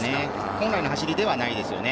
今回の走りではないですよね。